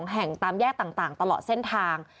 แห่งตามแยกต่างตลอดเส้นทาง